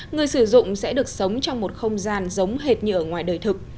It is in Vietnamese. người sử dụng sẽ được sống trong một không gian giống hệt như ở ngoài đời thực